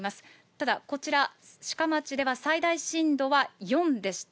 ただ、こちら、志賀町では最大震度は４でした。